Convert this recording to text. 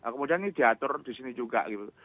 kemudian ini diatur di sini juga gitu